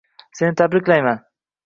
Seni tabriklayman